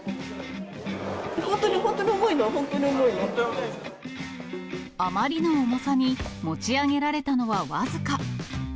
本当に本当に重いの、あまりの重さに、持ち上げられたのは僅か。